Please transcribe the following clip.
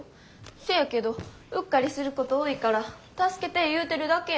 せやけどうっかりすること多いから助けて言うてるだけやん。